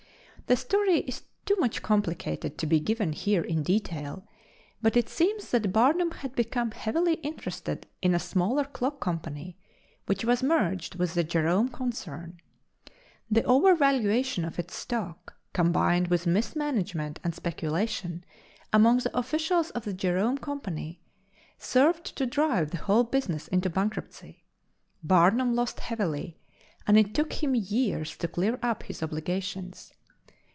The story is too much complicated to be given here in detail, but it seems that Barnum had become heavily interested in a smaller clock company, which was merged with the Jerome concern. The overvaluation of its stock, combined with mismanagement and speculation among the officials of the Jerome Company, served to drive the whole business into bankruptcy. Barnum lost heavily, and it took him years to clear up his obligations.